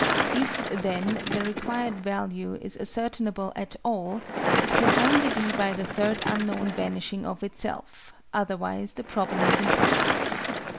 If, then, the required value is ascertainable at all, it can only be by the 3rd unknown vanishing of itself: otherwise the problem is impossible.